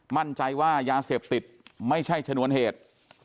มั่นใจว่ายาเสพติดไม่ใช่ชนวนเหตุ